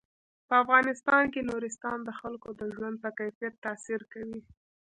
په افغانستان کې نورستان د خلکو د ژوند په کیفیت تاثیر کوي.